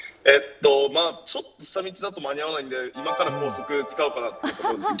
下道だと間に合わないので今から高速を使おうかなというところです。